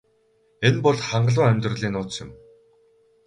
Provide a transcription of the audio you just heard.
Энэ бол хангалуун амьдралын нууц юм.